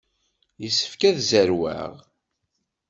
Yessefk ad zerweɣ.